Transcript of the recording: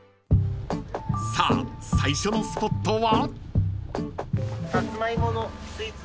［さあ最初のスポットは？］